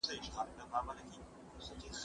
په سودا وو د کسات د اخیستلو